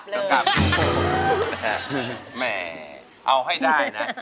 ร้องได้ให้ร้อง